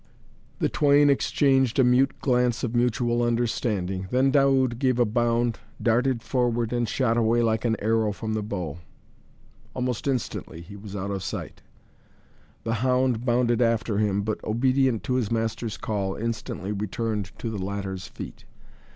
The twain exchanged a mute glance of mutual understanding, then Daoud gave a bound, darted forward and shot away like an arrow from the bow. Almost instantly he was out of sight. The hound bounded after him but, obedient to his master's call, instantly returned to the latter's feet.